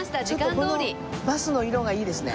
このバスの色がいいですね。